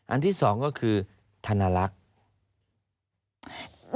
ที่สองก็คือธนลักษณ์